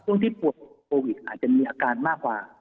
ช่วงที่ป่วยโควิดอาจจะมีอาการมากกว่า